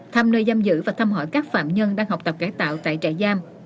thăm nơi giam giữ và thăm hỏi các phạm nhân đang học tập cải tạo tại trại giam